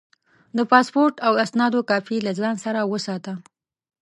د پاسپورټ او اسنادو کاپي له ځان سره وساته.